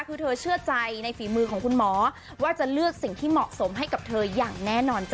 คือเธอเชื่อใจในฝีมือของคุณหมอว่าจะเลือกสิ่งที่เหมาะสมให้กับเธออย่างแน่นอนจ้